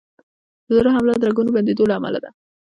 د زړه حمله د رګونو بندېدو له امله ده.